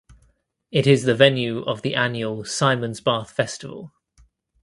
It is the venue of the annual Simonsbath Festival.